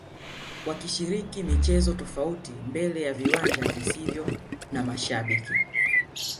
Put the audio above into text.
wakishiriki michezo tofauti mbele ya viwanja visivyo na mashabiki